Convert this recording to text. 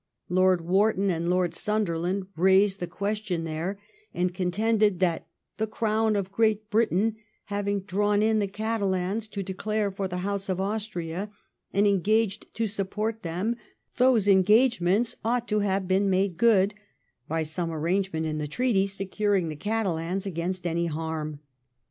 Lord Wharton and Lord Sunderland raised the question there, and contended that ' the Crown of Great Britain, having drawn in the Catalans to declare for the House of Austria, and engaged to support them, those engagements ought to have been made good ' by some arrangement in the treaty securing the Catalans against any harm.